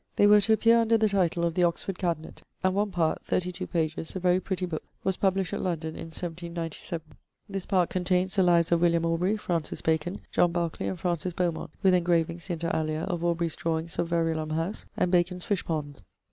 They were to appear under the title of 'The Oxford Cabinet'; and one part, 32 pp., a very pretty book, was published at London in 1797. This part contains the lives of William Aubrey, Francis Bacon, John Barclay, and Francis Beaumont, with engravings (inter alia) of Aubrey's drawings of Verulam House, and Bacon's fishponds.